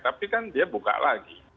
tapi kan dia buka lagi